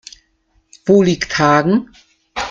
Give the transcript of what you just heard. Wo liegt Hagen?